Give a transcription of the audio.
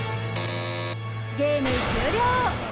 ゲーム終了！